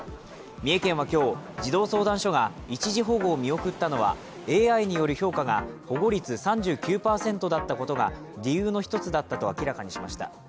三重県は今日、児童相談所が一時保護を見送ったのはＡＩによる評価が保護率３９％だったことが理由の一つだったと明らかにしました。